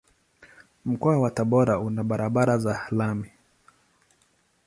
Mkoa wa Tabora una barabara za lami.